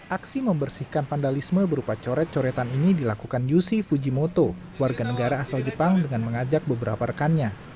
aksi membersihkan vandalisme berupa coret coretan ini dilakukan yusi fujimoto warga negara asal jepang dengan mengajak beberapa rekannya